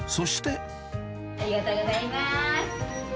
ありがとうございます。